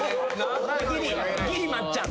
ギリ松っちゃん。